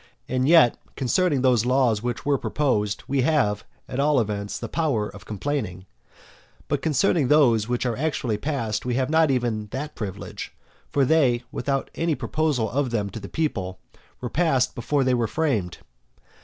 And yet, concerning those laws which were proposed, we have, at all events, the power of complaining, but concerning those which are actually passed we have not even had that privilege. For they, without any proposal of them to the people, were passed before they were framed.